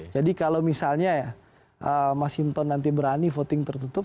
jadi kalau misalnya ya mas hinton nanti berani voting tertutup